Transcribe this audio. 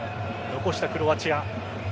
残したクロアチア。